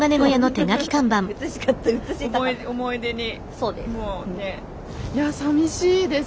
そうです。